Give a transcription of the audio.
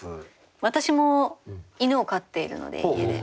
私も犬を飼っているので家で。